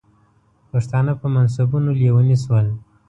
پښتانه په منصبونو لیوني شول.